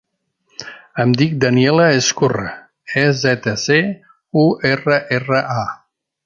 Em dic Daniela Ezcurra: e, zeta, ce, u, erra, erra, a.